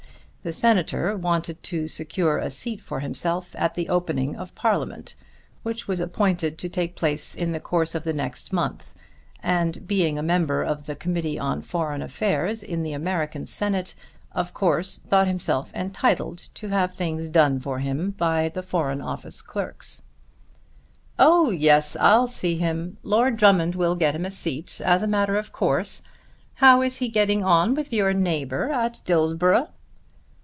The Senator wanted to secure a seat for himself at the opening of Parliament which was appointed to take place in the course of the next month, and being a member of the Committee on Foreign Affairs in the American Senate of course thought himself entitled to have things done for him by the Foreign Office clerks. "Oh yes, I'll see him. Lord Drummond will get him a seat as a matter of course. How is he getting on with your neighbour at Dillsborough?"